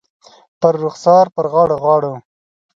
پر رخسار، پر غاړو ، غاړو